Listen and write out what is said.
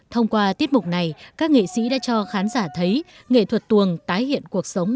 thông qua tiết mục này các nghệ sĩ đã cho khán giả thấy nghệ thuật tuồng tái hiện cuộc sống